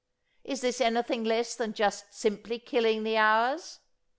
Is this anything less than just simply killing the hours?